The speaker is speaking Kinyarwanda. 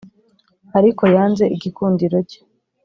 ariko yanze igikundiro cye,